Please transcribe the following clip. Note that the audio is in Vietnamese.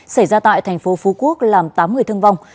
xảy ra tại thành phố phú quốc làm tám người thương vong